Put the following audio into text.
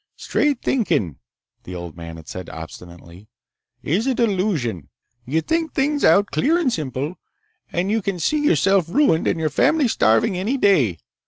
"Straight thinkin'," the old man had said obstinately, "is a delusion. You think things out clear and simple, and you can see yourself ruined and your family starving any day!